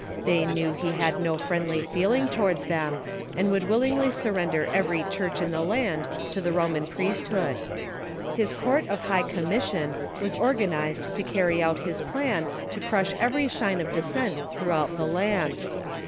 They knew he had no friendly feeling towards them, and would willingly surrender every church in the land to the Roman priesthood. His Court of High Commission was organized to carry out his plan to crush every sign of dissent throughout the land.